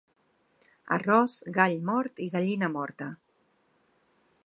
Arròs, gall mort i gallina morta.